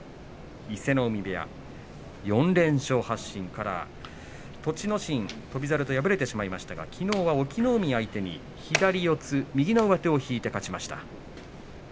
伊勢ノ海部屋、４連勝発進から栃ノ心、翔猿と敗れてしまいましたが、きのうは隠岐の海相手に左四つ右の上手を引いて勝ちました。